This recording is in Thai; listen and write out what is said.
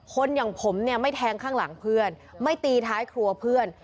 อย่างผมเนี่ยไม่แทงข้างหลังเพื่อนไม่ตีท้ายครัวเพื่อน